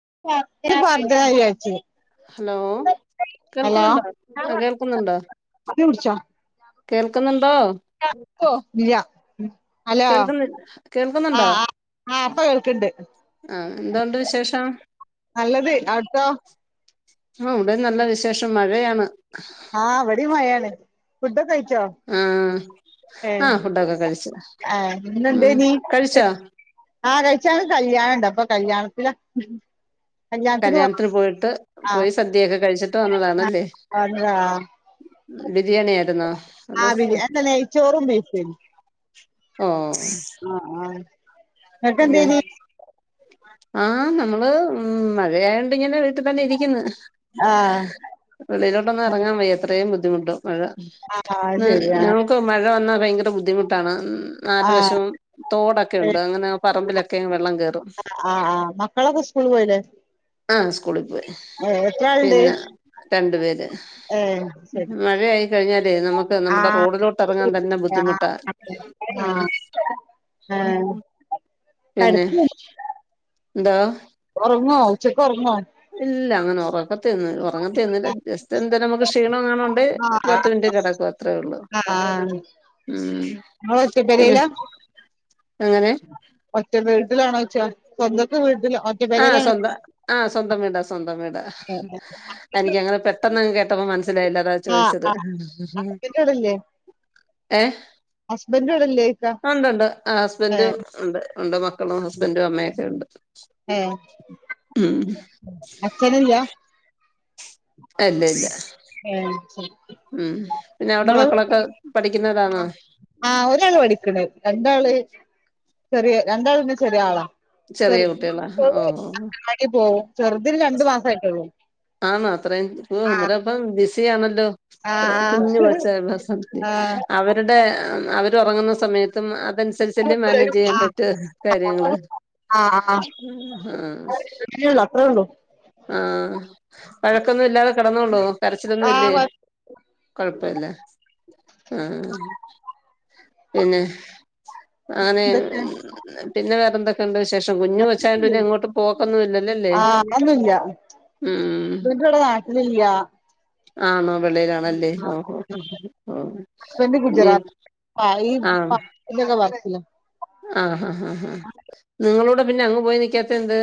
[inaudible] Hello hello കേൾക്കുന്നുണ്ടോ ആ കേൾക്കുന്നുണ്ടോ നീ കുടിച്ചോ കേൾക്കുന്നുണ് - ഇല്ല ഹലോ കേൾക്കുന്ന ആ കേൾക്കുന്നുണ്ടോ ആ ആഹ ഇപ്പ കേൾക്ക്ണ്ട്. ആ എന്തുണ്ട് വിശേഷം? നല്ലത് അവിടുത്തോ? ആ ഇവിടെ നല്ല വിശേഷം മഴയാണ്. ആ ഇവടീം മഴേണ്. ഫുഡ്ഒക്കെ കഴിച്ചോ? ആഹ ഏ ആഹ ഫുഡൊക്കെ കഴിച്ചു. ആ മ്മ് കഴിച്ചോ? ആഹ കഴിച്ചു. ഞങ്ങക്ക് കല്യാണണ്ട്. അപ്പൊ കല്യാണത്തിലാ - കല്യാണത്തിന് പോയതാണോ? പോയിട്ട് ആ പോയി സദ്യയൊക്കെ കഴിച്ചിട്ട് വന്നതാണല്ലേ [unintelligible] ബിരിയാണി ആയിരുന്നോ ആ അതോ ബിരി എന്താ നെയ്ച്ചോറും ബീഫും ഓ ആ ആ ഇങ്ങക്കെന്തേനി? ആഹ നമ്മള് ഇമ് മഴയായി - ഇങ്ങനെ വീട്ടിൽ തന്നെ ഇരിക്ക്ന്ന്. ആ വെളിയിലോട്ടൊന്നും എറങ്ങാൻ വയ്യ. അത്രേം ബുദ്ധിമുട്ടും. മഴ ആ ന്ന് ശരി ആ ഞങ്ങൾക്ക് മഴ വന്നാൽ ഭയങ്കര ബുദ്ധിമുട്ടാണ്. നാല് ആ വശവും തോടൊക്കെ ഉണ്ട് അങ്ങനെ പറമ്പിലൊക്കെ വെള്ളം കേറും ആ ആ മക്കളൊക്കെ സ്കൂള് പോയില്ലേ? ആ സ്കൂളിൽ ഏ എത്ര ആളുണ്ട് പിന്നെ രണ്ടു പേര്. ഏ ശരി മഴ ആയിക്കഴിഞ്ഞാലേ നമുക്ക് നമ്മുടെ റോഡിലോട്ട് എറങ്ങാൻ തന്നെ ആഹ് ബുദ്ധിമുട്ടാ ഉ ഉം പിന്നെ ന്താ? ഒറങ്ങോ ഉച്ചക്കൊറങ്ങോ? ഇല്ല. അങ്ങനെ ഒറക്ക- ഒറങ്ങത്തെ ഒന്നുല്ല ജസ്റ്റ് എന്തെലും നമുക്ക് ക്ഷീണംഎങ്ങാനും ഉണ്ടേ ഒരു പത്ത് മിനിറ്റ് കിടക്കും അത്രേ ഒള്ളൂ. ആഹ ഇങ്ങളൊറ്റ പിന്നെ പേരേല? അങ്ങനെ ഒറ്റ വീട്ടിലാണോ വച്ചാ സ്വന്തത്തെ വീട്ടില ആ സ്വന്തം ആ സ്വന്തം വീടാ സ്വന്തം വീടാ. എനിക്കങ്ങനെ പെട്ടന്നങ് കേട്ടപ്പോ മന - ലായില്ലതാ ആഹ് ചോദിച്ചത്. ഏ ഹസ്ബൻന്റ് വടല്ല ഉണ്ട്ണ്ട് ഹസ്ബൻഡും ഉണ്ട് ഉണ്ട് മക്കളും ഹസ്ബൻറും അമ്മയൊക്കെ ഉണ്ട് ഏ ഉം അഛനില്ലാ? അഇല്ല ഇല്ല ആ ശരി ഉം പിന്നെ അവിടെ മക്കളൊക്കെ പഠിക്കുന്നതാണോ ആ ഒരാള് പഠിക്ക്ണ്. രണ്ടാള് ചെറിയ രണ്ടാൾ പിന്നെ ചെറിയ ആളാ. ചെറിയ ചെറ് കുട്ടികളാ മൂത്തത് ഓഹ് ഓഹ് അംഗൻവാടി പോവും. ചെറുതിന് രണ്ട് മസായിട്ടൊള്ളൂ. ആണോ അത്രയും, ഓ എന്നിട്ടപ്പം അപ്പം ബിസി ആണല്ലോ! അത്ര ആഹ് കുഞ്ഞു ആഹ് കൊച്ചായിരുന്ന സമയത്ത് ആഹ് അവരുടെ- അവര് ഉറങ്ങുന്ന സമയത്തും അതനുസരിച്ചല്ലെ മാനേജ് ചെയ്യാൻ പറ്റു കാര്യങ്ങള് ആ ആ അത്രേള്ളൂ അത്രയേ ഉള്ളു ആ വഴക്കൊന്നും ഇല്ലാതെ കിടന്നൊള്ളോ? കരച്ചിലൊന്നും ആ ഇല്ലേ? കൊഴപ്പല്ല. ആ പിന്നെ ആനെ എന്തൊക്കെ പിന്നെ വേറെന്തൊക്കെ ഉണ്ട് വിശേഷം കുഞ്ഞു കൊ- ഇച്ചായൻ പിന്നെ അങ്ങോട്ട് പോക്കൊന്നും ഇല്ലല്ലോ അല്ലെ? മൂപ്പരിവടെ നാട്ടിലില്ല്യ ആണോ വെളിൽ ആണല്ലേ ഹസ്ബൻഡ് [unintelligible] ആഹ് ഹാ ഹാ ഹാ നിങ്ങളൂടെ പിന്നെ അങ്ങ് പോയി നക്കാത്തന്ത്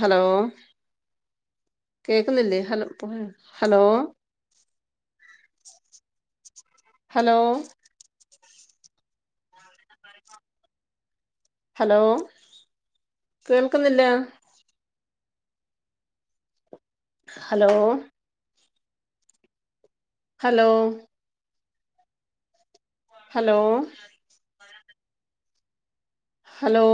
ഹലോ കേക്കുന്നില്ലേ ഹലോ പോയോ ഹലോ ഹലോ ഹലോ കേൾക്കുന്നില്ല ഹലോ ഹലോ ഹലോ ഹലോ